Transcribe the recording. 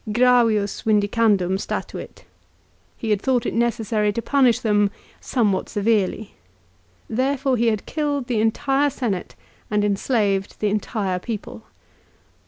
" Gravius vindi candum statuit." 1 " He had thought it necessary to punish them somewhat severely." Therefore he had killed the entire Senate, and enslaved the entire people.